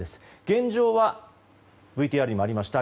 現状はＶＴＲにもありました